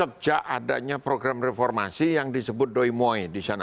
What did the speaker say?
sejak adanya program reformasi yang disebut doi moi di sana